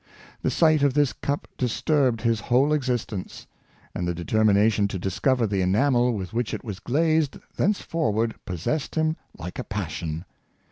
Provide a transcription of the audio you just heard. The sight of this cup disturbed his whole 1.3 194 Ber7iard Palissy, existence, and the determination to discover the enamel with which it was glazed thenceforward possessed him like a passion.